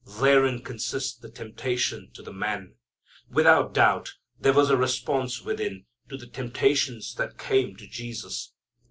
Therein consists the temptation to the man. Without doubt there was a response within to the temptations that came to Jesus.